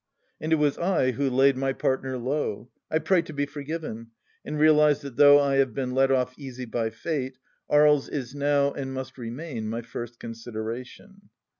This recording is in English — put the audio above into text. And it was I who laid my partner low 1 I pray to be forgiven, and realize that though I have been let off easy by Fate, Aries is now, and must remain, my first consideration.